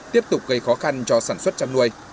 tiếp tục gây khó khăn cho sản xuất chăn nuôi